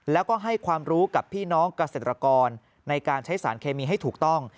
แล้วก็ให้ความรู้กับพี่น้องเกษตรกรในการใช้สารเคมีให้ถูกต้อง